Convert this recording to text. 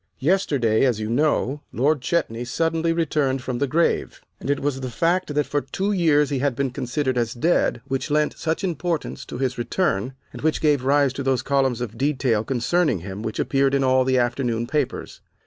Yesterday, as you know, Lord Chetney suddenly returned from the grave, and it was the fact that for two years he had been considered as dead which lent such importance to his return and which gave rise to those columns of detail concerning him which appeared in all the afternoon papers.